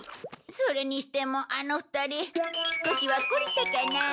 それにしてもあの２人少しは懲りたかなあ。